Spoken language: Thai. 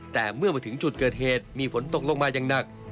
แต่เมื่อมาถึงจุดเกิดเหตุมีฝนตกลงมาอย่างหนัก